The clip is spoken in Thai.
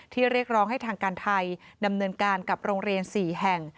เรียกร้องให้ทางการไทยดำเนินการกับโรงเรียน๔แห่ง